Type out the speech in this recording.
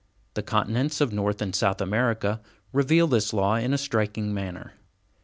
The continents of North and South America reveal this law in a striking manner.